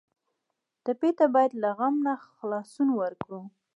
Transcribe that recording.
ټپي ته باید له غم نه خلاصون ورکړو.